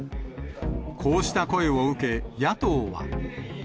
こうした声を受け、野党は。